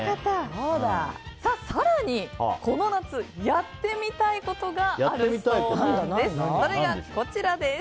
更に、この夏やってみたいことがあるそうなんです。